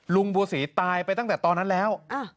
ลุงบัวศรีตายไปตั้งแต่ตอนนั้นแล้ว